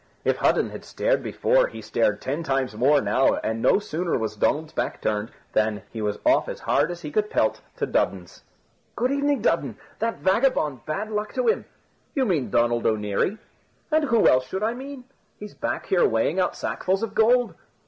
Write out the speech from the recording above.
If Hudden had stared before, he stared ten times more now, and no sooner was Donald's back turned, than he was of as hard as he could pelt to Dudden's. "Good evening, Dudden. That vagabond, bad luck to him " "You mean Donald O'Neary?" "And who else should I mean? He's back here weighing out sackfuls of gold."